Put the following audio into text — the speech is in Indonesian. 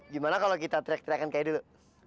gimana kalau kita teriak teriakan kayak dulu